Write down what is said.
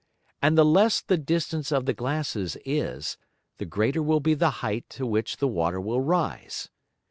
And the less the distance of the Glasses is, the greater will be the height to which the Water will rise.